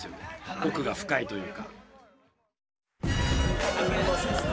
奥が深いというか。